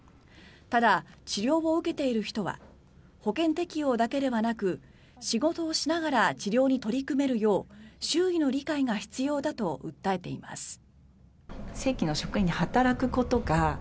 ただ、治療を受けている人は保険適用だけではなく仕事をしながら治療に取り組めるよう周囲の理解が必要だと訴えています。